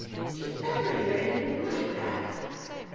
Did you ever hear anything like that?"